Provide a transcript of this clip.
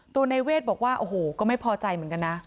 ในเวทบอกว่าโอ้โหก็ไม่พอใจเหมือนกันนะ